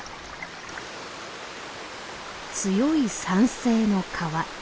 強い酸性の川。